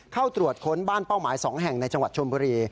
เข้าตรวจค้นบ้านเป้าหมาย๒แห่งในจังหวัดชนบุรี